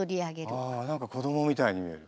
あ何か子どもみたいに見える。